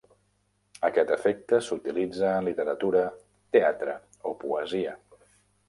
Aquest efecte s'utilitza en literatura, teatre o poesia.